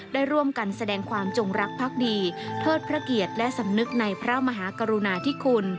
ได้ร่วมกันแสดงความจงรักภักดีเทิดพระเกียรติและสำนึกในพระมหากรุณาธิคุณ